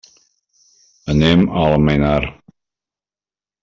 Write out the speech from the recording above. Anem a Almenar.